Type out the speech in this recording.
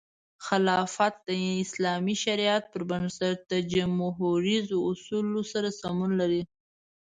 خلافت د اسلامي شریعت پر بنسټ د جموهریزو اصولو سره سمون لري.